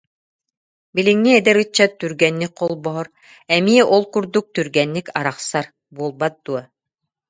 Билиҥҥи эдэр ыччат түргэнник холбоһор, эмиэ ол курдук түргэнник арахсар буолбат дуо